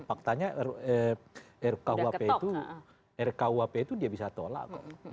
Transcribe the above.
faktanya ru ke uhp itu dia bisa tolak kok